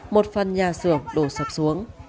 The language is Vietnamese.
một phần nhà xưởng đổ sập xuống